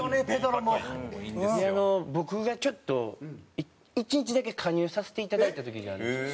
で僕がちょっと１日だけ加入させていただいた時があるんですよ。